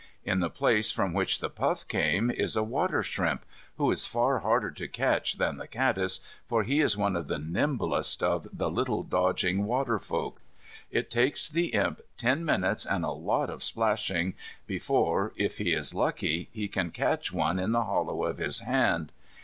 In the place from which the puff came is a water shrimp, who is far harder to catch than the caddis, for he is one of the nimblest of the little dodging water folk. It takes the Imp ten minutes and a lot of splashing before, if he is lucky, he can catch one in the hollow of his hand.